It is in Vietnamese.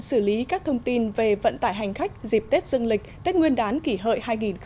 xử lý các thông tin về vận tải hành khách dịp tết dương lịch tết nguyên đán kỷ hợi hai nghìn một mươi chín